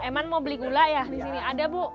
eman mau beli gula ya di sini ada bu